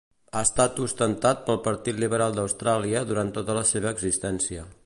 Ha estat ostentat pel Partit Liberal d'Austràlia durant tota la seva existència.